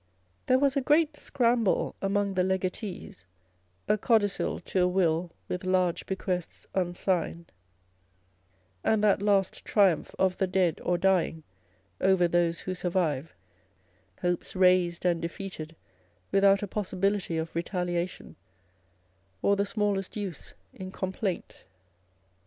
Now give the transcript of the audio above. There was a great scramble among the legatees, a codicil to a will with large bequests unsigned, and that last triumph of the dead or dying over those who survive â€" hopes raised and defeated without a possibility of retaliation, or the smallest use in complaint.